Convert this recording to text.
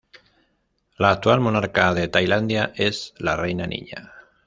La actual monarca de Tailandia es la "Reina Niña".